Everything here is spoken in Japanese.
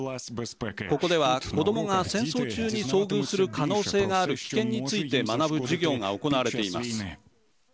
ここでは子どもが戦争中に遭遇する可能性がある危険について学ぶ授業が行われています。